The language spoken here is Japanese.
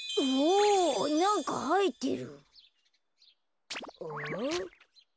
おなんかはえてる。